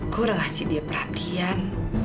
gue udah ngasih dia perhatian